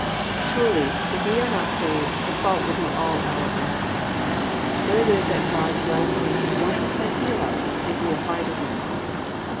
Surely, if we are not saved, the fault will be all our own. There lives at God's right hand One who can heal us if we apply to Him.